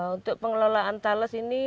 untuk pengelolaan tales ini